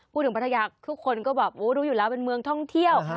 พูดถึงพัทยาทุกคนก็รู้อยู่แล้วว่าเป็นเมืองท่องเที่ยว